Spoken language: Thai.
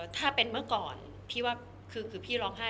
ถ้าเป็นเมื่อก่อนพี่ว่าคือพี่ร้องไห้